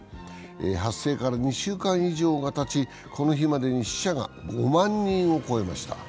発生から２週間以上がたち、この日までに死者が５万人を超えました。